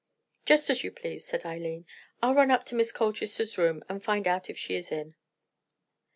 "Just as you please," said Eileen. "I'll run up to Miss Colchester's room and find out if she is in."